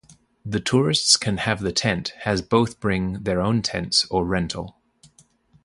The tourists can have the tent has both bring their own tents or rental.